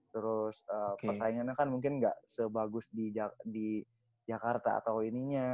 terus persaingannya kan mungkin nggak sebagus di jakarta atau ininya